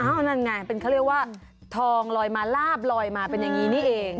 นั่นไงเป็นเขาเรียกว่าทองลอยมาลาบลอยมาเป็นอย่างนี้นี่เอง